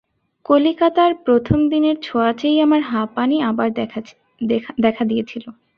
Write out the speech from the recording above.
কলিকাতার প্রথম দিনের ছোঁয়াচেই আমার হাঁপানি আবার দেখা দিয়েছিল।